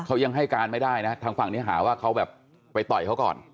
เขายังให้การไม่ได้นะทางฝั่งนี้หาว่าเขาแบบไปต่อยเขาก่อน